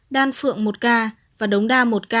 đan phượng một ca và đống đa một ca